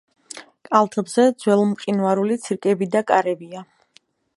კალთებზე ძველმყინვარული ცირკები და კარებია.